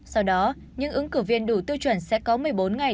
sau đó những ứng cử viên đủ tiêu chuẩn sẽ có một mươi bốn ngày